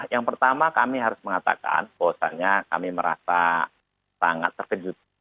yang pertama kami harus mengatakan bahwasannya kami merasa sangat terkejut